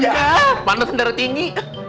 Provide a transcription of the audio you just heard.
ya panas bener tingi